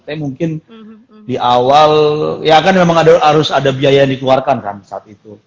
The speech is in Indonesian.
tapi mungkin di awal ya kan memang harus ada biaya yang dikeluarkan kan saat itu